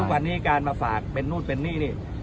วันนี้การมาฝากเป็นนู่นนี่